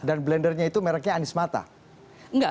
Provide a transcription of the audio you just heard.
dan blendernya itu merknya anismatik